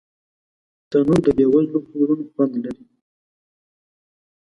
تنور د بې وزلو کورونو خوند لري